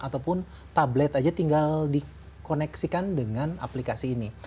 ataupun tablet aja tinggal dikoneksikan dengan aplikasi ini